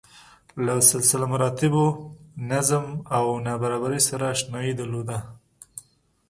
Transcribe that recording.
له سلسله مراتبو، نظم او نابرابرۍ سره اشنايي درلوده.